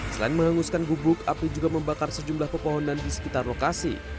selain menghanguskan gubuk api juga membakar sejumlah pepohonan di sekitar lokasi